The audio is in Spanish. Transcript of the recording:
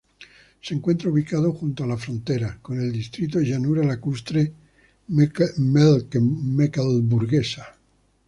Se encuentra ubicado junto a la frontera con el distrito Llanura Lacustre Mecklemburguesa.